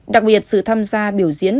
đặc biệt sự tham gia biểu diễn